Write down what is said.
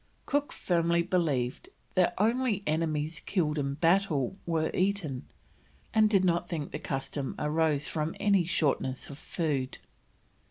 Cook firmly believed that only enemies killed in battle were eaten, and did not think the custom arose from any shortness of food.